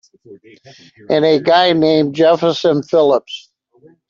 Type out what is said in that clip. And a guy named Jefferson Phillip.